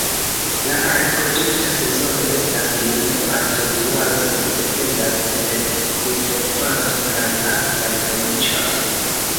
La reprodukta sezono estas julio al februaro sed dependas el pluvokvanto kaj akvaj kondiĉoj.